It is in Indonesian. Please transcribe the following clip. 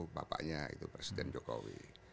bapaknya itu presiden jokowi